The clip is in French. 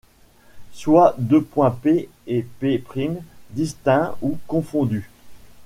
Soient deux points P et P', distincts ou confondus.